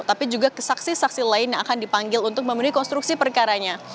tapi juga saksi saksi lainnya akan dipanggil untuk memenuhi konstruksi perikarannya